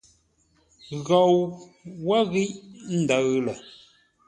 Ghou wə́ ghíʼ ndəʉ lə.